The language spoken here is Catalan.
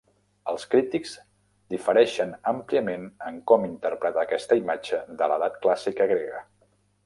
Els crítics difereixen àmpliament en com interpretar aquesta imatge de l'edat clàssica grega.